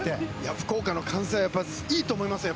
福岡の歓声はいいと思います。